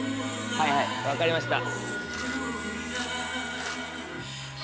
はいはい分かりました。